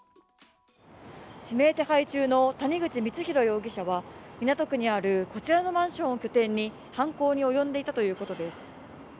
指名手配中の谷口光弘容疑者は港区にあるこちらのマンションを拠点に犯行に及んでいたということです。